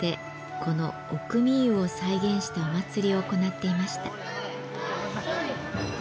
この御汲湯を再現したお祭りを行っていました。